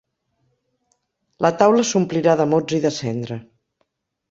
La taula s'omplirà de mots i de cendra.